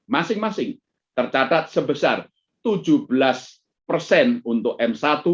masing masing tercatat sebesar tujuh belas persen untuk m satu dua